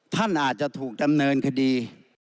ท่านอาจจะถูกดำเนินคดี